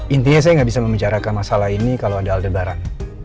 intinya saya gak bisa membicarakan masalah ini kalo ada aldebaran